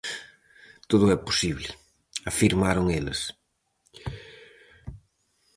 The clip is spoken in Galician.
"Todo é posible", afirmaron eles.